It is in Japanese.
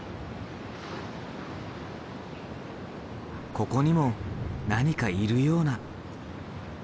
ここにも何かいるような。